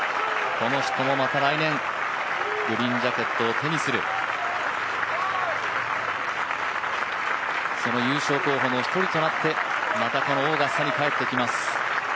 この人もまた来年、グリーンジャケットを手にするその優勝候補の一人となってまたこのオーガスタに帰ってきます。